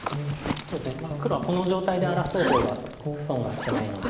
黒はこの状態で争う方が損が少ないので。